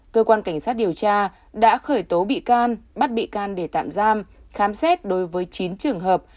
cơ quan cảnh sát điều tra đã khởi tố bị can bắt bị can để tạm giam khám xét đối với chín trường hợp